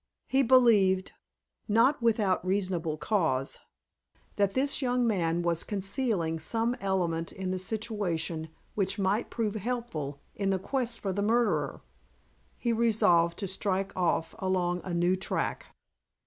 He believed, not without reasonable cause, that this young man was concealing some element in the situation which might prove helpful in the quest for the murderer. He resolved to strike off along a new track.